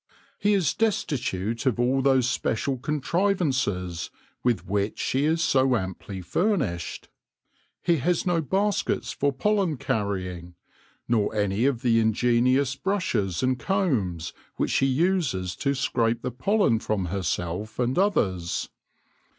He is destitute of all those special contrivances with which she is so amply furnished. He has no baskets for pollen carrying, nor any of the ingenious brushes and combs which she uses to scrape the pollen from herself and others.